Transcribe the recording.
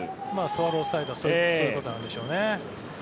スワローズサイドはそういうことなんでしょうね。